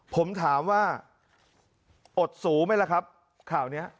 ผมถามว่าอดสูไหมล่ะครับข่าวนี้